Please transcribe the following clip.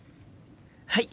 はい！